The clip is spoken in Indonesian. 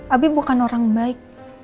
abi bukan orang baik